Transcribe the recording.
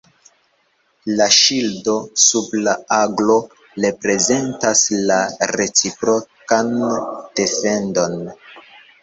La ŝildo sub la aglo reprezentas la reciprokan defendon.